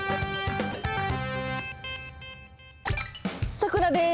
さくらです！